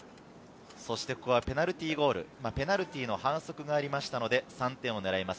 ここはペナルティーゴール、ペナルティーの反則がありましたので、３点を狙います